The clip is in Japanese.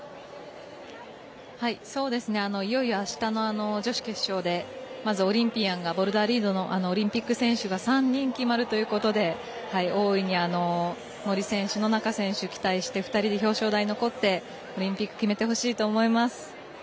いよいよあしたの女子決勝でまず、オリンピアンがボルダー＆リードの３人決まるということで大いに森選手、野中選手期待して、２人で表彰台に残ってオリンピック決めてほしいと思います。